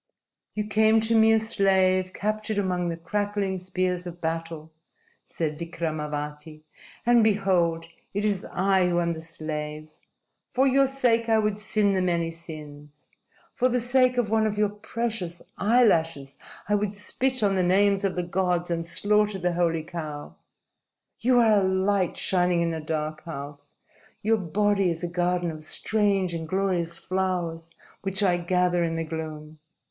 "You came to me a slave captured among the crackling spears of battle," said Vikramavati, "and behold, it is I who am the slave. For your sake I would sin the many sins. For the sake of one of your precious eyelashes I would spit on the names of the gods and slaughter the holy cow. You are a light shining in a dark house. Your body is a garden of strange and glorious flowers which I gather in the gloom.